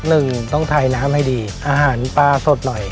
หนึ่งต้องทายน้ำให้ดีอาหารปลาสดหน่อย